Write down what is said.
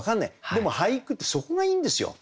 でも俳句ってそこがいいんですよ。